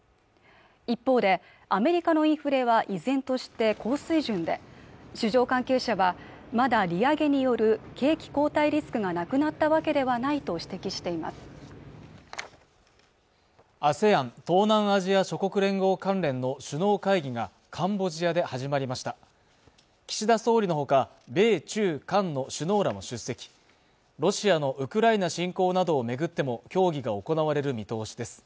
一方でアメリカのインフレは依然として高水準で市場関係者はまだ利上げによる景気後退リスクがなくなったわけではないと指摘していますＡＳＥＡＮ＝東南アジア諸国連合関連の首脳会議がカンボジアで始まりました岸田総理のほか米中韓の首脳らも出席ロシアのウクライナ侵攻などを巡っても協議が行われる見通しです